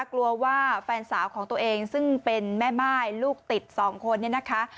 กลัวว่าแฟนสาวของตัวเองซึ่งเป็นแม่ม่ายลูกติดสองคนเนี่ยนะคะ